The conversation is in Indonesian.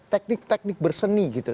teknik teknik berseni gitu